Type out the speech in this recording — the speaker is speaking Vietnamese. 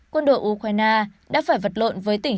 quân đội ukraine đã phải vật lộn với tỉnh